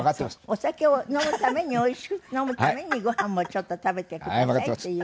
お酒を飲むためにおいしく飲むためにごはんもちょっと食べてくださいっていうわけで。